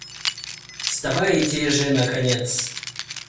Вставайте же, наконец!